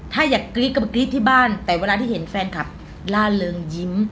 ถ้าอยากกรี๊ดก็มากรี๊ดที่บ้านแต่เวลาที่เห็นแฟนคลับล่าเริงยิ้ม